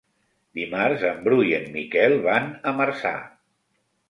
Dimarts en Bru i en Miquel van a Marçà.